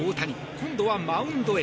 今度はマウンドへ。